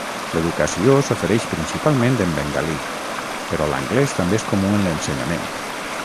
L'educació s'ofereix principalment en bengalí, però l'anglès també és comú en l'ensenyament.